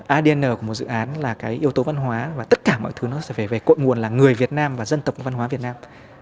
adn của một dự án là cái yếu tố văn hóa và tất cả mọi thứ nó sẽ về cội nguồn là người việt nam và dân tộc văn hóa việt nam